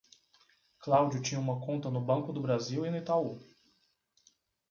Cláudio tinha uma conta no Banco do Brasil e no Itaú.